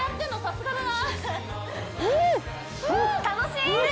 楽しい！